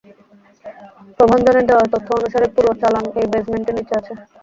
প্রভাঞ্জনের দেওয়া তথ্য অনুসারে পুরো চালান এই বেসমেন্টের নিচে আছে।